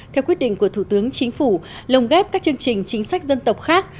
theo quyết định của thủ tướng chính phủ lồng ghép các chương trình chính sách dân tộc khác